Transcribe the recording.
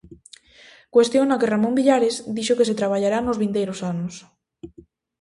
Cuestión na que Ramón Villares, dixo que se traballará nos vindeiros anos.